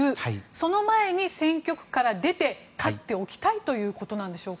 その前に選挙区から出て勝っておきたいということなんでしょうか？